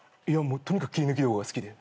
とにかく切り抜き動画が好きで。